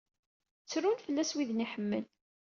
Ttrun fell-as widen iḥemmel.